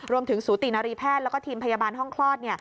สูตินารีแพทย์แล้วก็ทีมพยาบาลห้องคลอด